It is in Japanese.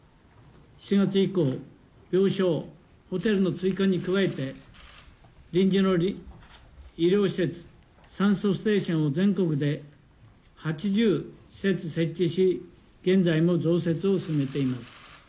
７月以降、病床、ホテルの追加に加えて、臨時の医療施設、酸素ステーションを全国で８０施設設置し、現在も増設を進めています。